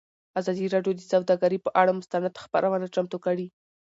ازادي راډیو د سوداګري پر اړه مستند خپرونه چمتو کړې.